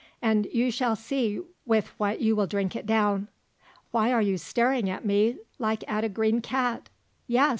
And you shall see with what you will drink it down. Why are you staring at me like at a green cat? Yes!